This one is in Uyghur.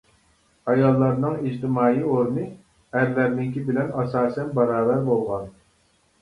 ئاياللارنىڭ ئىجتىمائىي ئورنى ئەرلەرنىڭكى بىلەن ئاساسەن باراۋەر بولغان.